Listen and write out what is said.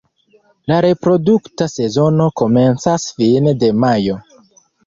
La reprodukta sezono komencas fine de majo.